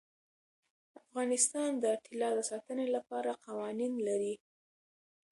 افغانستان د طلا د ساتنې لپاره قوانین لري.